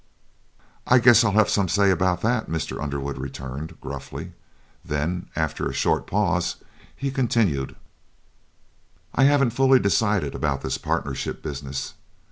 "I guess I'll have some say about that," Mr. Underwood returned, gruffly; then, after a short pause, he continued: "I haven't fully decided about this partnership business.